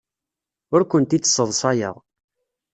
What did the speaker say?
Ur kent-id-sseḍsayeɣ.